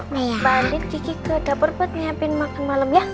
bandit kiki ke dapur buat nyiapin makan malam ya